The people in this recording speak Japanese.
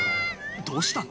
どうしたの？